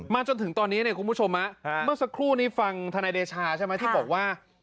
มาจนถึงตอนนี้คุณผู้ชมเมื่อสักครู่ฟังทรนไลน์ราชาที่บอกว่า